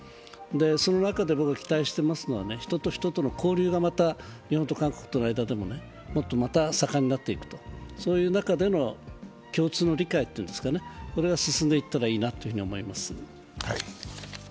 その中で私、期待しているのは人と人との交流がまた日本と韓国の間でももっと盛んになっていく、そういう中での共通の理解というんですかね、これが進んでいったらいいなと思います。